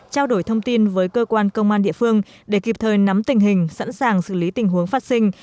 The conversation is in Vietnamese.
trao đổi thông tin với cơ quan công an địa phương để kịp thời nắm tình hình sẵn sàng xử lý tình huống phát sinh